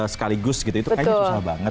sekaligus gitu itu kayaknya susah banget